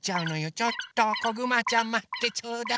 ちょっとこぐまちゃんまってちょうだい。